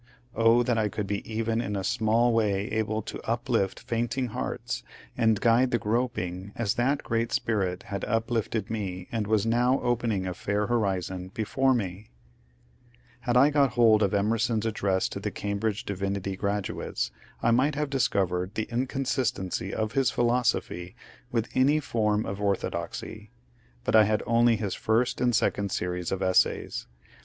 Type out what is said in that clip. O that I could be even in a small way able to uplift fainting hearts and guide the groping as that great spirit had uplifted me, and was now opening a fair horizon before me I Had I got hold of Emerson's Address to the Cambridge Divinity graduates I might have discovered the inconsistency of his philosophy with any form of orthodoxy ; but I had only his first and second series of Essays.